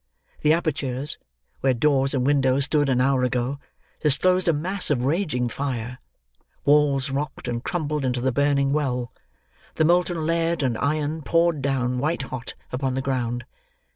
The apertures, where doors and windows stood an hour ago, disclosed a mass of raging fire; walls rocked and crumbled into the burning well; the molten lead and iron poured down, white hot, upon the ground.